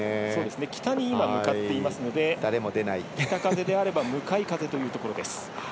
北に向かっていますので北風であれば向かい風というところです。